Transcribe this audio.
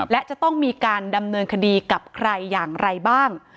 และจะต้องมีการดำเนินคดีกับใครอย่างไรบ้าง